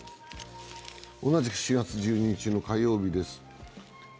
同じく４月１２日の火曜日です。